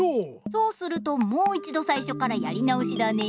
そうするともういちどさいしょからやりなおしだね。